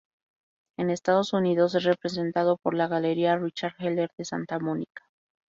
En Estados Unidos es representado por la Galería Richard Heller de Santa Mónica.